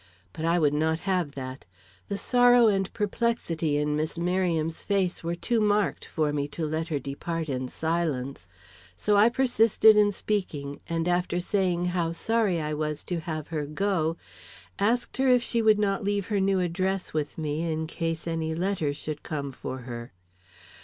But I would not have that. The sorrow and perplexity in Miss Merriam's face were too marked for me to let her depart in silence. So I persisted in speaking, and after saying how sorry I was to have her go, asked her if she would not leave her new address with me in case any letters should come for her.